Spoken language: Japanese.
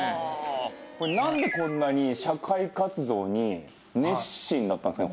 なんでこんなに社会活動に熱心だったんですかね？